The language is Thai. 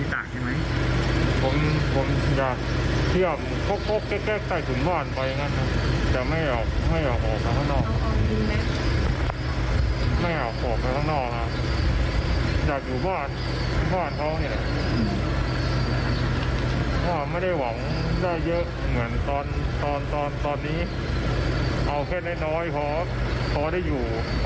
เหมือนตอนตอนนี้เอาแค่น้อยเพราะได้อยู่เพราะได้กินอย่างผมแบบหน่อยนะครับ